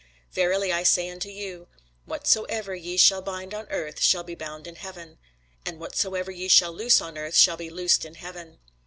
Verily I say unto you, Whatsoever ye shall bind on earth shall be bound in heaven: and whatsoever ye shall loose on earth shall be loosed in heaven.